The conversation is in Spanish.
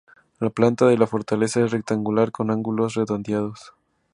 La planta de la fortaleza es rectangular, con los ángulos redondeados.